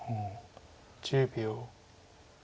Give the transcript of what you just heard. １０秒。